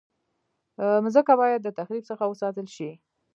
مځکه باید د تخریب څخه وساتل شي.